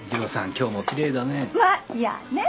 今日もきれいだねぇ。